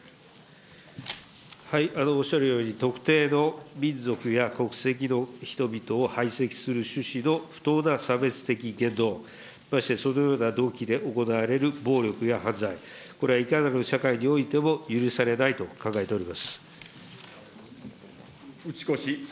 おっしゃるように、特定の民族や国籍の人々を排斥する趣旨の不当な差別的言動、ましてそのような動機で行われる暴力や犯罪、これはいかなる社会においても許されないと考えております。